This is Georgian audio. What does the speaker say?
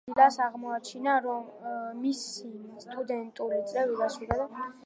ერთ დილას აღმოაჩინა, რომ მისი სტუდენტური წლები დასრულდა და სახლში დაბრუნების დრო დადგა.